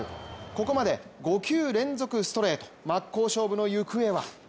ここまで５球連続ストレート、真っ向勝負の行方は。